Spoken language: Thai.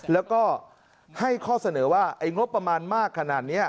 แล้วก็ให้ข้อเสนอว่าไอ้งบประมาณมากขนาดนี้